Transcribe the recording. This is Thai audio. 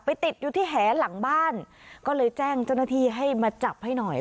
ติดอยู่ที่แหหลังบ้านก็เลยแจ้งเจ้าหน้าที่ให้มาจับให้หน่อย